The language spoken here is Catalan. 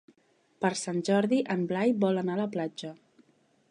Per Sant Jordi en Blai vol anar a la platja.